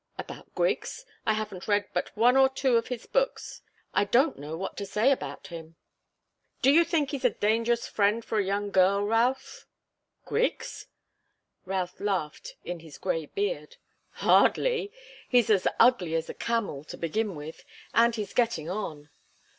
"About Griggs? I haven't read but one or two of his books. I don't know what to say about him." "Do you think he's a dangerous friend for a young girl, Routh?" "Griggs?" Routh laughed in his grey beard. "Hardly! He's as ugly as a camel, to begin with and he's getting on.